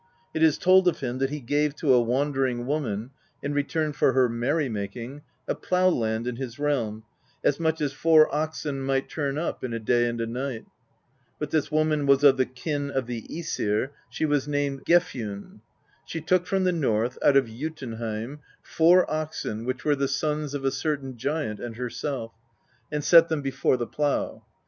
It is told of him that he gave to a wandering woman, in return for her merry making, a plow land in his realm, as much as four oxen might turn up in a day and a night. But this woman was of the kin of the iEsir; she was named Gefjun. She took from the north, out of Jotunheim, four oxen which were the sons of a certain giant and herself, and set them before the plow.